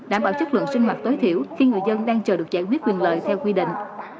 đảm bảo chất lượng sinh hoạt tối thiểu khi người dân đang chờ được giải quyết quyền lợi theo quy định